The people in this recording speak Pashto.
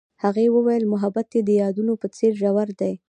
هغې وویل محبت یې د یادونه په څېر ژور دی.